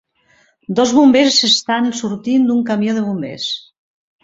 Dos bombers estan sortint d'un camió de bombers.